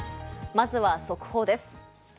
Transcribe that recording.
まずは速報です。